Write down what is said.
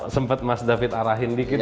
sempet mas david arahin dikit ya